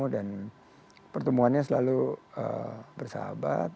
dan pertemuannya selalu bersahabat